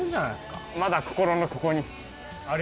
まだ心のここに。